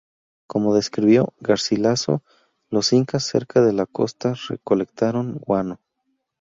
Como describió Garcilaso, los incas cerca de la costa recolectaron guano.